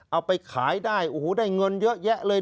เอาไปขายได้โอ้โหได้เงินเยอะแยะเลย